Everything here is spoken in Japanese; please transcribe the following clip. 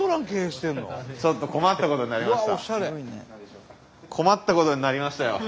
ちょっと困ったことになりました。